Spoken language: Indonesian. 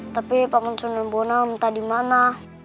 tapi pak monsun nenbonang entah dimana